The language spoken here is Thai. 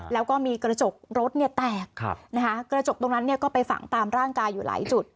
แล้วก็มีกระจกรถแตกกระจกตรงนั้นก็ไปฝังตามร่างกายอยู่หลายจุด